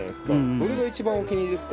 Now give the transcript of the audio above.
どれが一番お気に入りですか？